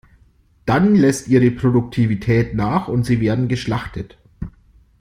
Dann lässt ihre Produktivität nach und sie werden geschlachtet.